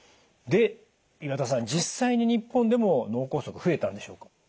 で岩田さん実際に日本でも脳梗塞増えたんでしょうか？